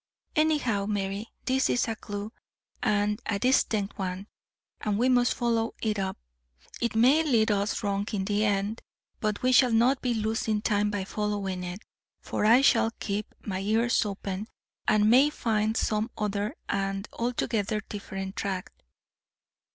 Anyhow, Mary, this is a clue, and a distinct one, and we must follow it up. It may lead us wrong in the end, but we shall not be losing time by following it, for I shall keep my ears open, and may find some other and altogether different track."